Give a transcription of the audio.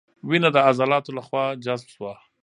وینه د عضلاتو له خوا جذب شوه.